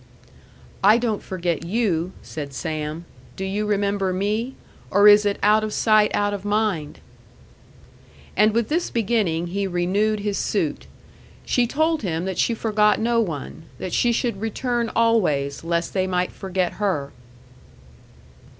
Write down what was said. "I don't forget you," said Sam. "Do you remember me? Or is it out of sight out of mind?" And with this beginning he renewed his suit. She told him that she forgot no one; that she should return always, lest they might forget her.